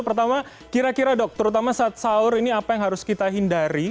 pertama kira kira dok terutama saat sahur ini apa yang harus kita hindari